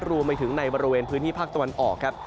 รวมไปถึงในบริเวณพื้นที่ภาคตะวันออกครับ